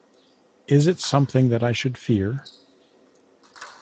Is it something that I should fear?